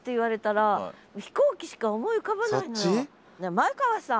前川さん。